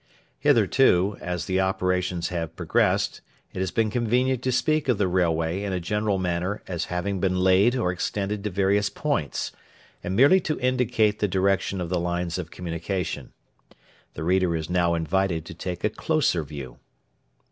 Hitherto, as the operations have progressed, it has been convenient to speak of the railway in a general manner as having been laid or extended to various points, and merely to indicate the direction of the lines of communication. The reader is now invited to take a closer view.